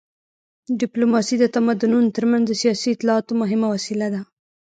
ډیپلوماسي د تمدنونو تر منځ د سیاسي اطلاعاتو مهمه وسیله وه